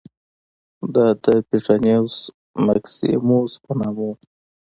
دا د پټرانیوس مکسیموس په نامه و